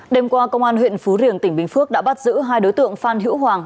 đêm qua công an huyện phú riềng tỉnh bình phước đã bắt giữ hai đối tượng phan hữu hoàng